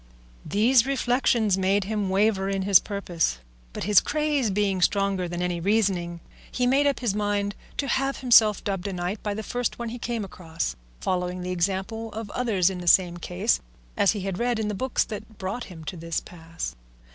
These reflections made him waver in his purpose, but his craze being stronger than any reasoning, he made up his mind to have himself dubbed a knight by the first one he came across, following the example of others in the same case, as he had read in the books that brought him to this pass.